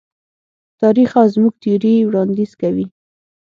تاریخ او زموږ تیوري وړاندیز کوي.